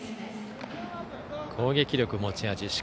攻撃力が持ち味。